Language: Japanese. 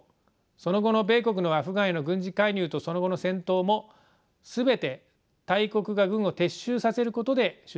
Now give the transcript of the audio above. その後の米国のアフガンへの軍事介入とその後の戦闘も全て大国が軍を撤収させることで終結しています。